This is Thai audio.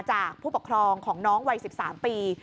ผู้ปกครองของน้องวัย๑๓ปี